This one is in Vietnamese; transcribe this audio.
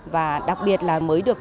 và đặc biệt là mới được